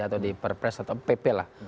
atau di perpres atau pp lah